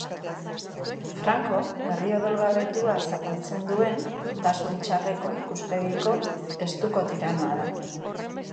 Franco herri odolgabetua zapaltzen duen tasun txarreko ikuspegiko estuko tiranoa da.